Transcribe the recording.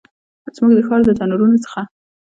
زموږ د ښار د تنورونو څخه